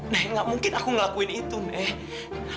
nenek nggak mungkin aku ngelakuin itu nek